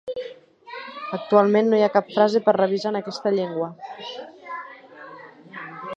Actualment no hi cap frase per revisar en aquesta llengua.